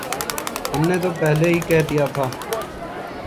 ہم نے تو پہلے ہی کہہ دیا تھا۔